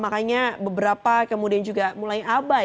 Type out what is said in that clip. makanya beberapa kemudian juga mulai abai